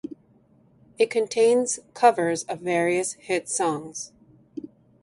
It contains covers of various hit songs.